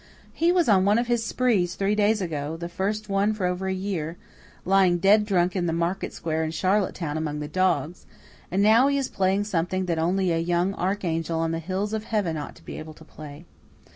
He was on one of his sprees three days ago the first one for over a year lying dead drunk in the market square in Charlottetown among the dogs; and now he is playing something that only a young archangel on the hills of heaven ought to be able to play.